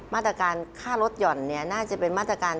มาตรการค่ารถหย่อนน่าจะเป็นมาตรการ